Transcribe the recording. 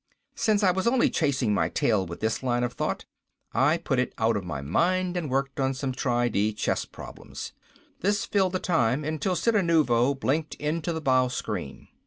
Since I was only chasing my tail with this line of thought, I put it out of my mind and worked on some tri di chess problems. This filled the time until Cittanuvo blinked into the bow screen.